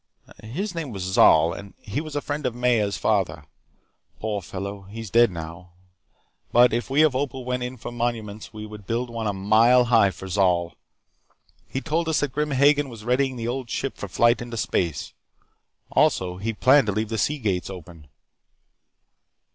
His name was Zol, and he was a friend of Maya's father. Poor fellow, he is dead now, but if we of Opal went in for monuments we would build one a mile high for Zol. He told us that Grim Hagen was readying the Old Ship for flight into space. Also, he planned to leave the sea gates open.